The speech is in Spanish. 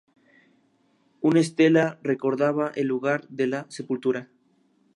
Una estela recordaba el lugar de la sepultura.